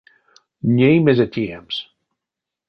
Ней мезе теемс?